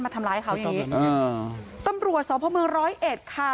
ทำร้ายเขาอย่างงี้อ่าตำรวจสพเมืองร้อยเอ็ดค่ะ